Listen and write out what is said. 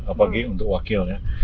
apalagi untuk wakil ya